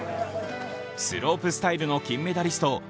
スロープスタイルの金メダリスト